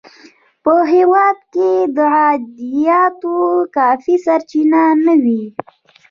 په هېواد کې د عایداتو کافي سرچینې نه وې.